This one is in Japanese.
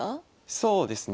そうですね。